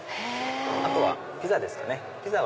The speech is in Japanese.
あとはピザですかね。